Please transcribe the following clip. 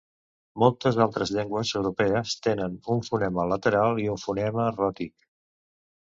Moltes altres llengües europees tenen un fonema lateral i un fonema ròtic.